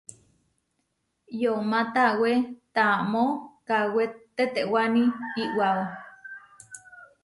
Yomá tawé taamó kawé tetewáni iʼwáo.